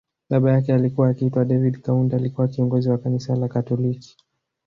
Baba yake alikuwa akiitwa David Kaunda alikuwa kiongozi Wa kanisa la katoliki